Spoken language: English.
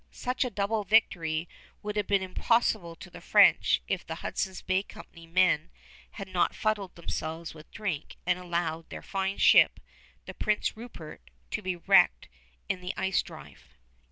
Such a double victory would have been impossible to the French if the Hudson's Bay Company men had not fuddled themselves with drink and allowed their fine ship, the Prince Rupert, to be wrecked in the ice drive.